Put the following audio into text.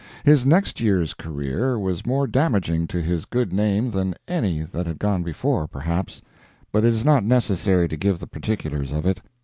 His next year's career was more damaging to his good name than any that had gone before, perhaps, but it is not necessary to give the particulars of it.